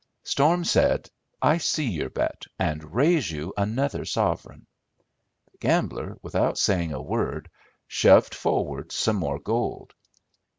Storm said, "I see your bet, and raise you another sovereign." The gambler, without saying a word, shoved forward some more gold.